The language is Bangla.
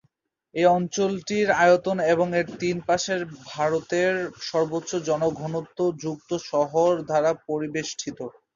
এই অঞ্চলটির আয়তন এবং এর তিন পাশে ভারতের সর্বোচ্চ জনঘনত্ব যুক্ত শহর দ্বারা পরিবেষ্টিত।